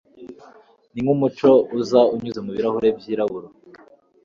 ninkumucyo uza unyuze mubirahuri byirabura